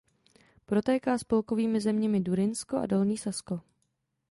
Protéká spolkovými zeměmi Durynsko a Dolní Sasko.